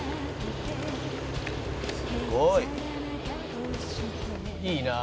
「すごい」「いいなあ」